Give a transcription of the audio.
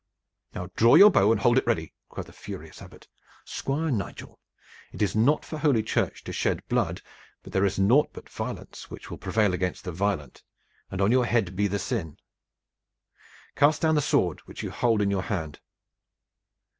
"Now draw your bow and hold it ready!" cried the furious Abbot. "Squire Nigel, it is not for Holy Church to shed blood, but there is naught but violence which will prevail against the violent, and on your head be the sin. Cast down the sword which you hold in your hand!"